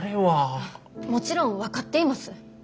もちろん分かっています。